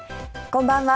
こんばんは。